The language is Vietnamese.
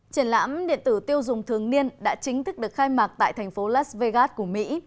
triển lãm điện tử tiêu dùng thường niên đã chính thức được khai mạc tại thành phố las vegas của mỹ